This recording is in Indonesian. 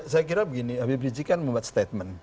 saya kira begini habib rizik kan membuat statement